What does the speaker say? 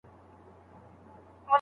د حکومت د کنټرول له امله ستونزې کمې شوې.